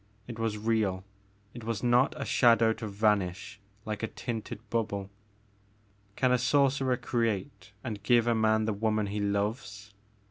It was real, it was not a shadow to vanish like a tinted bubble I Can a sorcerer create and give a man the woman he loves